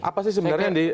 apa sih sebenarnya di